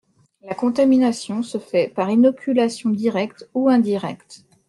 La contamination se fait par inoculation directe ou indirecte.